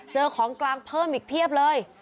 ของกลางเพิ่มอีกเพียบเลย